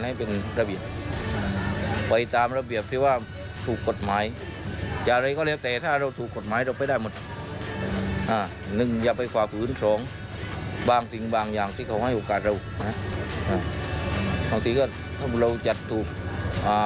ให้โอกาสเราอาทิตย์ก็ถ้าบุรัวจัดถูกอ่า